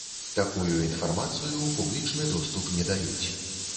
Такую інфармацыю ў публічны доступ не даюць.